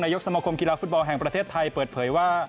ยกสมคมกีฬาฟุตบอลแห่งประเทศไทยเปิดเผยว่า